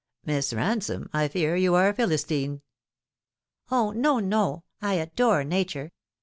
" Miss Bansome, I fear you are a Philistine." " O, no, no ! I adore Nature.